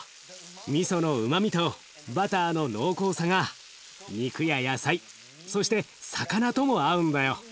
みそのうまみとバターの濃厚さが肉や野菜そして魚とも合うんだよ。